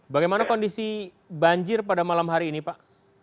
bagaimana kondisi banjir pada malam hari ini pak